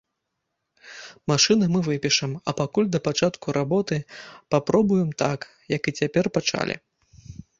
Машыны мы выпішам, а пакуль, да пачатку работы, папробуем так, як і цяпер пачалі.